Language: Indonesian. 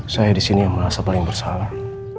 saya disini yang merasa paling bersalah